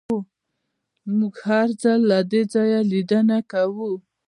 موږ هر ځل له دې ځایه لیدنه کوو